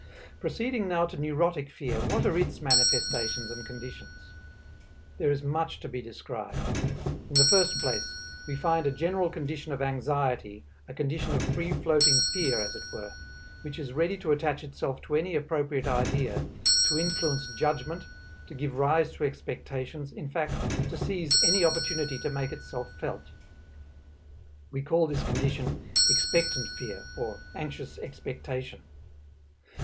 Proceeding now to neurotic fear, what are its manifestations and conditions? There is much to be described. In the first place we find a general condition of anxiety, a condition of free floating fear as it were, which is ready to attach itself to any appropriate idea, to influence judgment, to give rise to expectations, in fact to seize any opportunity to make itself felt. We call this condition "expectant fear" or "anxious expectation."